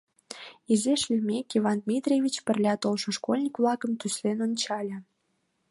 Изиш лиймек, Иван Дмитриевич пырля толшо школьник-влакым тӱслен ончале: